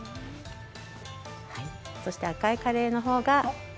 そして赤いカレーの方が。